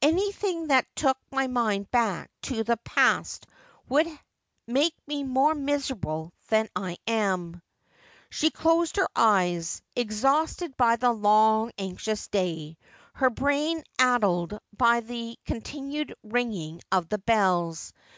Anything that took my mind back to the past would make me more miserable than I am.' She closed her eyes, exhausted by the long, anxious d. iy, her brain addled by that continual ringing of bells.